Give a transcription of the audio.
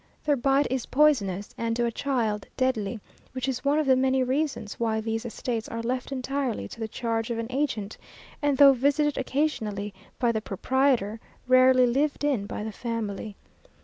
Their bite is poisonous, and, to a child, deadly, which is one of the many reasons why these estates are left entirely to the charge of an agent, and though visited occasionally by the proprietor, rarely lived in by the family.